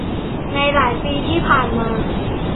ในหลายปีที่ผ่านมา